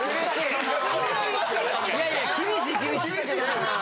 いやいや厳しい厳しい。